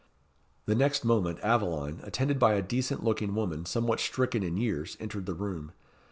The next moment Aveline, attended by a decent looking woman, somewhat stricken in years, entered the room.